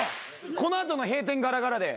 この後の閉店ガラガラで。